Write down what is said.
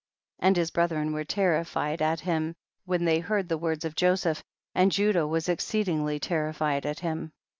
70. And his brethren were terrifi ed at him when they heard the words of Joseph, and Judah was exceed ingly terrified at him.